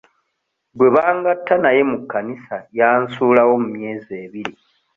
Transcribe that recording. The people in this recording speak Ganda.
Gwe bangatta naye mu kkanisa yansuulawo mu myezi ebiri.